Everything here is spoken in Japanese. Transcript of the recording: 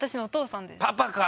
パパか。